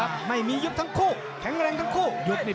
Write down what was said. อ่าไม่มียุบทั้งคู่